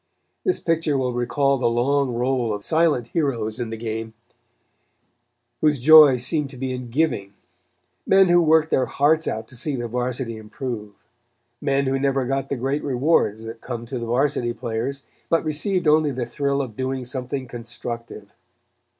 This picture will recall the long roll of silent heroes in the game, whose joy seemed to be in giving; men who worked their hearts out to see the Varsity improve; men who never got the great rewards that come to the Varsity players, but received only the thrill of doing something constructive.